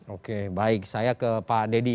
oke baik saya ke pak deddy